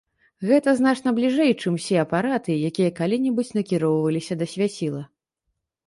Гэта значна бліжэй, чым усе апараты, якія калі-небудзь накіроўваліся да свяціла.